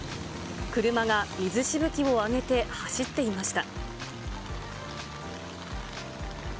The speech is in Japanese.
車が水しぶきを上げて走っていました。